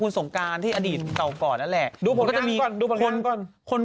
ยืนยาดเนี่ย